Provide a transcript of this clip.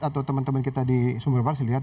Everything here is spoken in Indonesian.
atau teman teman kita di sumber parsi lihat